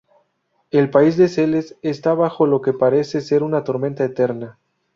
El País de Celes está bajo lo que parece ser una tormenta eterna.